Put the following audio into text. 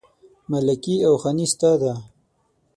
ملکي او خاني ستا ده